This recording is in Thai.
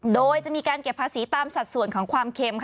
โดยจะมีการเก็บภาษีตามสัดส่วนของความเค็มค่ะ